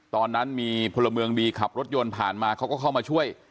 ตอนนั้นมีพลเมืองดีขับรถยนต์ผ่านมาเขาก็เข้ามาช่วย